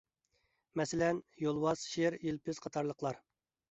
مەسىلەن: يولۋاس، شىر، يىلپىز قاتارلىقلار.